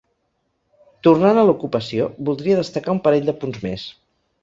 Tornant a l’ocupació, voldria destacar un parell de punts més.